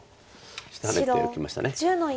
下ハネて受けました。